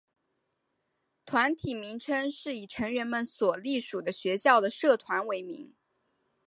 团体名称是以成员们所隶属的学校的社团为名。